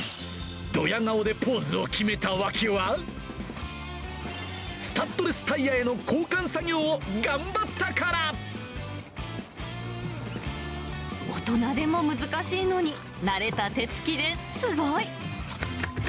どや顔でポーズを決めた訳は、スタッドレスタイヤへの交換作業大人でも難しいのに、慣れた手つきですごい。